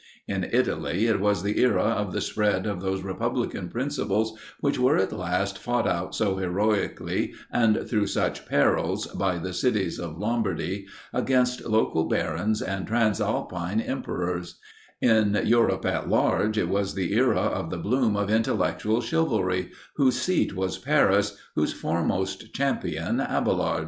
In Italy, it was the era of the spread of those republican principles, which were at last fought out so heroically and through such perils by the cities of Lombardy, against local barons and transalpine emperors; in Europe, at large, it was the era of the bloom of intellectual chivalry, whose seat was Paris, whose foremost champion, Abailard.